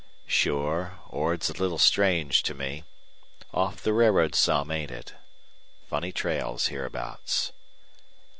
"Sure, Ord's a little strange to me. Off the railroad some, ain't it? Funny trails hereabouts."